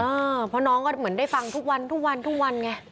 เอ้อเพราะน้องก็เหมือนได้ฟังทุกวันทุกวันทุกวันไง